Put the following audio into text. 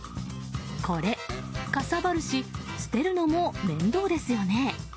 これ、かさばるし捨てるのも面倒ですよね。